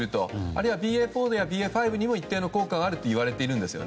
あるいはＢＡ．４やＢＡ．５にも一定の効果があるといわれているんです。